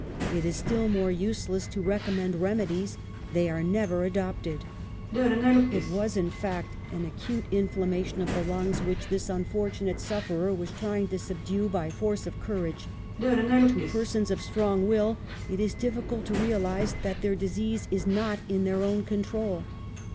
It is still more useless to recommend remedies ; they are never adopted." 1 It was, in fact, an acute inflammation of the 1 Mrs. Gaskell. EMILYS DEATH. 301 lungs which this unfortunate sufferer was trying to subdue by force of courage. To persons of strong will it is difficult to realize that their dis ease is not in their own control.